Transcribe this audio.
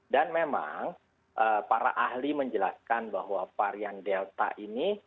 dan memang para ahli menjelaskan bahwa varian delta ini